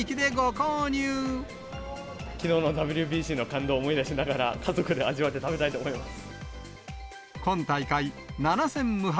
きのうのＷＢＣの感動を思い出しながら、家族で味わって食べたいと思います。